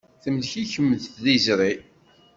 Temlek-ikem tliẓri.